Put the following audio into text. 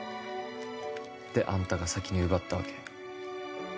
で、あんたが先に奪ったわけ？